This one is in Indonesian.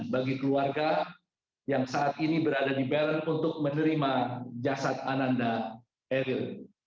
bagi keluarga yang saat ini berada di bern untuk menerima jasad ananda eril